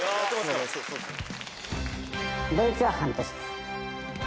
ドイツは半年です。